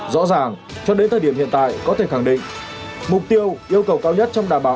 rõ ràng cho đến thời điểm hiện tại có thể khẳng định mục tiêu yêu cầu cao nhất trong đảm bảo